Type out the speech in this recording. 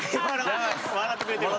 笑ってくれてるわ。